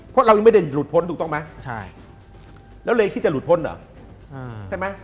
เพราะเรายังไม่ได้หลุดพ้นถูกต้องไหมใช่แล้วเลยคิดจะหลุดพ้นเหรอใช่ไหม